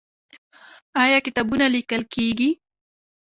آیا کتابونه لیکل کیږي؟